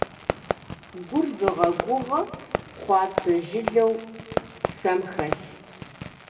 Гур зыгъэгугъэ, хъуапсэ жылэу псэм хэлъ!